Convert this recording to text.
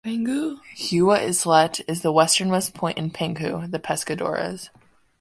Hua Islet is the westernmost point in Penghu (the Pescadores).